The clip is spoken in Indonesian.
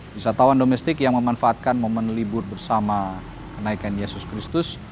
wisatawan domestik yang memanfaatkan momen libur bersama kenaikan yesus kristus